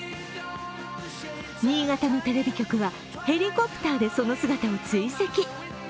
新潟のテレビ局はヘリコプターで、その姿を追跡。